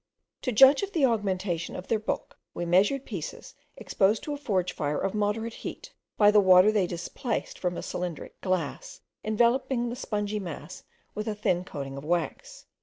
To judge of the augmentation of their bulk, we measured pieces exposed to a forge fire of moderate heat, by the water they displaced from a cylindric glass, enveloping the spongy mass with a thin coating of wax.